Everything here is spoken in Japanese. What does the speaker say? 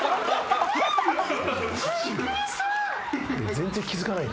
全然気付かないよ。